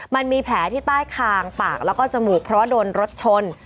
มันมีแผลที่ใต้คางปากแล้วก็จมูกเพราะว่าโดนรถชน